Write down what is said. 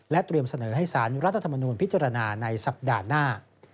เตรียมเสนอให้สารรัฐธรรมนูลพิจารณาในสัปดาห์หน้า